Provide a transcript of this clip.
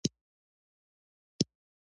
چیرې چې فقر نه وي.